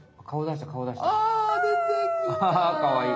あかわいい。